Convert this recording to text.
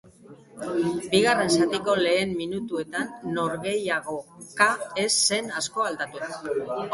Bigarren zatiko lehen minutuetan norgehiagoka ez zen asko aldatu.